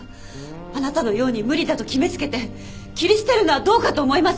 あなたのように無理だと決め付けて切り捨てるのはどうかと思います。